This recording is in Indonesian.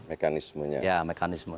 mekanismenya ya mekanisme